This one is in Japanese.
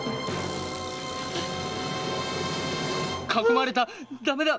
囲まれた駄目だ。